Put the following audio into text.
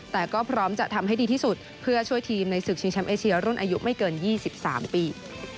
แต่ก็พร้อมจะทำให้ดีที่สุดเพื่อช่วยทีมในศึกชิงแชมป์เอเชียรุ่นอายุไม่เกิน๒๓ปี